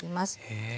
へえ。